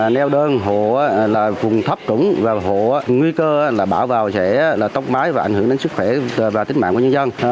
neo đơn hộ vùng thấp trúng và hộ nguy cơ bảo vệ tốc mái và ảnh hưởng đến sức khỏe và tính mạng của nhân dân